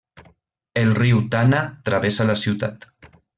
El riu Tana travessa la ciutat.